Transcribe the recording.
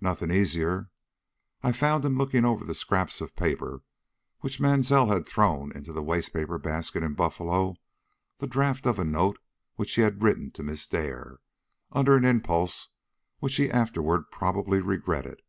"Nothing easier. I found in looking over the scraps of paper which Mansell had thrown into the waste paper basket in Buffalo, the draft of a note which he had written to Miss Dare, under an impulse which he afterward probably regretted.